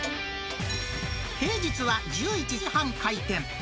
平日は１１時半開店。